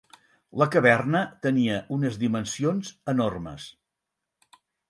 La caverna tenia unes dimensions enormes.